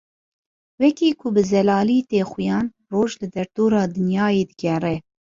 Wekî ku bi zelalî tê xuyan Roj li derdora Dinyayê digere.